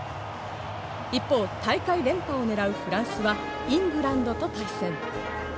一方、大会連覇をねらうフランスはイングランドと対戦。